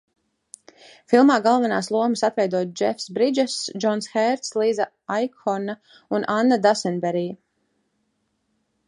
Filmā galvenās lomas atveido Džefs Bridžess, Džons Hērds, Līza Aikhorna un Anna Dasenberija.